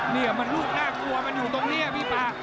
นี่มันลูกน่ากลัวมันอยู่ตรงนี้พี่ป่า